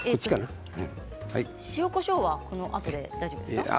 塩、こしょうはこのあとで大丈夫ですか。